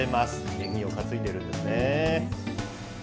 縁起を担いでるんですね。